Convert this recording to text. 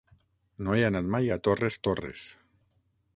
No he anat mai a Torres Torres.